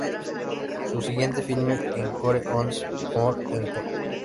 Su siguiente filme, "Encore, Once More Encore!